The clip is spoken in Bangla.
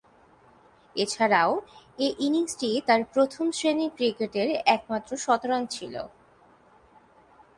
এছাড়াও, এ ইনিংসটি তার প্রথম-শ্রেণীর ক্রিকেটের একমাত্র শতরান ছিল।